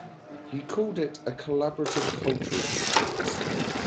He called it a "Collaborative Cultural Performance".